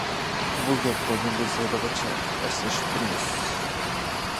بۇ گەپلەرنى بىز ھېلىغىچە ئەسلىشىپ تۇرىمىز.